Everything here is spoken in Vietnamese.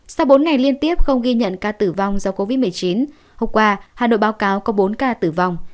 sau bốn ngày liên tiếp không ghi nhận ca tử vong do covid một mươi chín hôm qua hà nội báo cáo có bốn ca tử vong